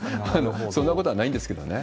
そんなことはないんですけどね。